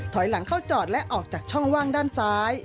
ถอยหลังเข้าจอดและออกจากช่องว่างด้านซ้าย